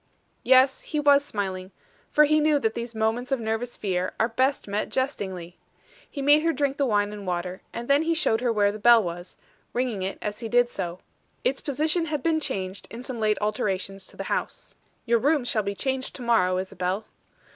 Yes, he was smiling; for he knew that these moments of nervous fear are best met jestingly. He made her drink the wine and water, and then he showed her where the bell was, ringing it as he did so. Its position had been changed in some late alterations to the house. "Your rooms shall be changed to morrow, Isabel."